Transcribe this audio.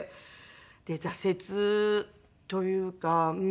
で挫折というかうん。